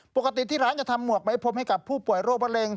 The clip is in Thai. ปกติที่ร้านจะทำหมวกไหมพรมให้กับผู้ป่วยโรคมะเร็ง